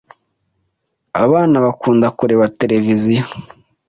Abana bakunda kureba televiziyo.